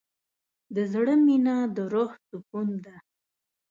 د زړه مینه د روح سکون ده.